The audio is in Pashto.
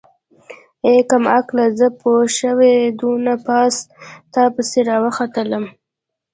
ای کمقله زه پوشوې دونه پاس تاپسې راوختلمه.